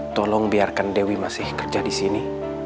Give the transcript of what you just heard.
tolong biarkan dewi masih kerja disini